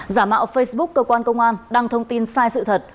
giả mạo facebook cơ quan công an đăng thông tin sai sự thật